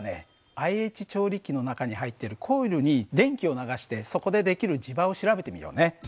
ＩＨ調理器の中に入ってるコイルに電気を流してそこでできる磁場を調べてみようね。